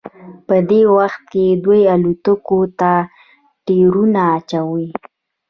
په دې وخت کې دوی الوتکو ته ټیرونه اچوي